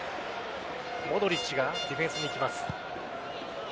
モドリッチがディフェンスにいきます。